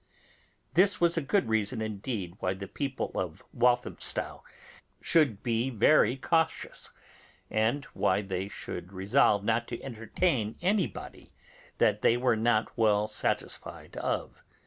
This was a good reason indeed why the people of Walthamstow should be very cautious, and why they should resolve not to entertain anybody that they were not well satisfied of.